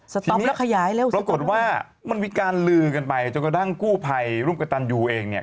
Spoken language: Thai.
ปั๊มแล้วขยายเร็วปรากฏว่ามันมีการลือกันไปจนกระทั่งกู้ภัยร่วมกับตันยูเองเนี่ย